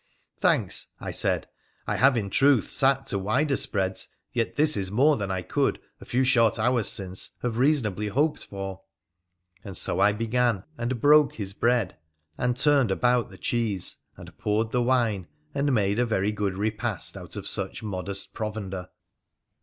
' Thanks !' I said. ' I have, in truth, sat to wider spreads, yet this is more than I could, a few short hours since, have reasonably hoped for.' And so I began and broke his bread, and turned about the cheese, and poured the wine, and made a very good repast out of such modest provender.